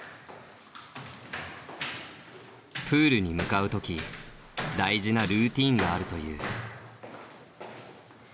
プールに向かう時大事なルーティーンがあるという。